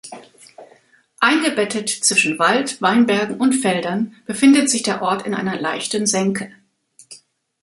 Eingebettet zwischen Wald, Weinbergen und Feldern befindet sich der Ort in einer leichten Senke.